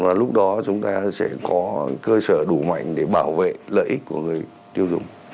và lúc đó chúng ta sẽ có cơ sở đủ mạnh để bảo vệ lợi ích của người tiêu dùng